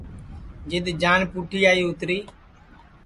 جِدؔا جان پُٹھی آئی اِتری